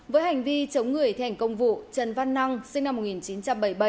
với hành vi chống người thi hành công vụ trần văn năng sinh năm một nghìn chín trăm bảy mươi bảy